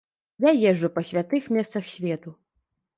Я езджу па святых месцах свету.